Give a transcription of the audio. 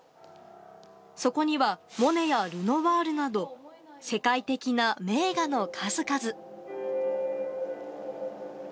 そこには、モネやルノワールなど世界的な名画の数々。